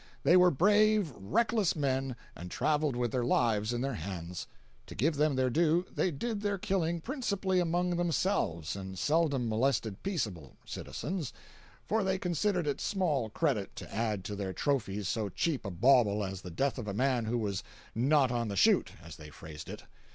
They were brave, reckless men, and traveled with their lives in their hands. To give them their due, they did their killing principally among themselves, and seldom molested peaceable citizens, for they considered it small credit to add to their trophies so cheap a bauble as the death of a man who was "not on the shoot," as they phrased it.